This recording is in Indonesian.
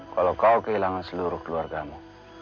kalau kau kehilangan seluruh keluargamu